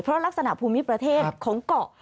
เพราะลักษณะภูมิประเทศของเกาะ